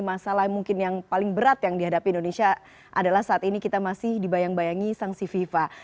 masalah mungkin yang paling berat yang dihadapi indonesia adalah saat ini kita masih dibayang bayangi sanksi fifa